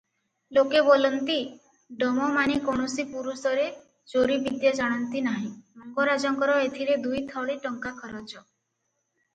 ଲୋକେ ବୋଲନ୍ତି, ଡମମାନେ କୌଣସି ପୁରୁଷରେ ଚୋରିବିଦ୍ୟା ଜାଣନ୍ତି ନାହିଁ, ମଙ୍ଗରାଜଙ୍କର ଏଥିରେ ଦୁଇଥଳୀ ଟଙ୍କା ଖରଚ ।